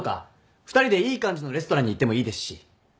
２人でいい感じのレストランに行ってもいいですし。